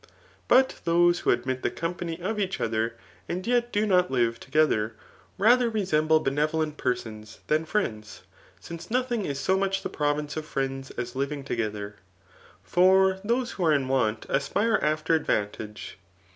But those who admit the company of each other, and yet do not live together, rather resemble benevolent persons than friends; since nothing is so much the province of friends as living together. For those who are in want aspire after advan tage.